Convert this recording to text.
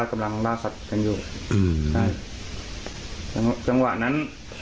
จังหวะนั้น